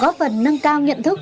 góp phần nâng cao nhận thức